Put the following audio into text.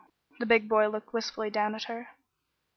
The big boy looked wistfully down at her.